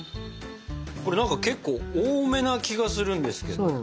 これ何か結構多めな気がするんですけど。